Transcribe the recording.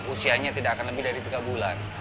usianya tidak akan lebih dari tiga bulan